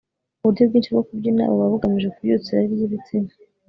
uburyo bwinshi bwo kubyina buba bugamije kubyutsa irari ry ibitsina